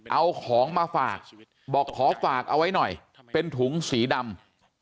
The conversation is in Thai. เอาของมาฝากบอกขอฝากเอาไว้หน่อยเป็นถุงสีดำ